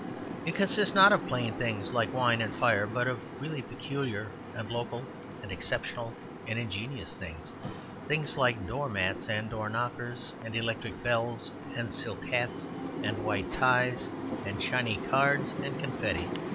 It consists not of plain things like wine and fire, but of really peculiar, and local, and exceptional, and ingenious things things like door mats, and door knockers, and electric bells, and silk hats, and white ties, and shiny cards, and confetti.